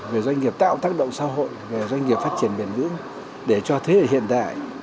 về doanh nghiệp tạo tác động xã hội về doanh nghiệp phát triển biển nước để cho thế hiện đại